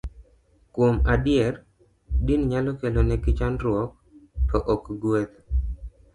Kuom adier, din nyalo kelonegi chandruok, to ok gweth